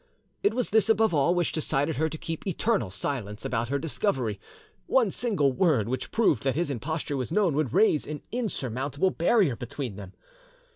It was this above all which decided her to keep eternal silence about her discovery; one single word which proved that his imposture was known would raise an insurmountable barrier between them.